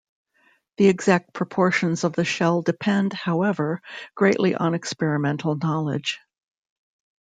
The exact proportions of the shell depend, however, greatly on experimental knowledge.